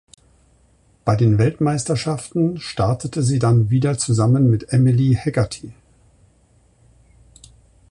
Bei den Weltmeisterschaften startete sie dann wieder zusammen mit Emily Hegarty.